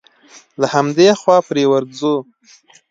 له همدې خوا پرې ورځو.